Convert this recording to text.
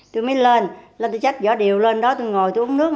tôi mới lên lúc đó tôi chách vỏ điệu lên đó tôi ngồi tôi uống nước